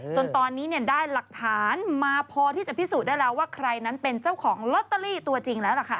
จนตอนนี้เนี่ยได้หลักฐานมาพอที่จะพิสูจน์ได้แล้วว่าใครนั้นเป็นเจ้าของลอตเตอรี่ตัวจริงแล้วล่ะค่ะ